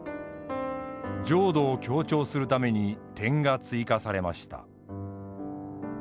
浄土を強調するために点が追加されました。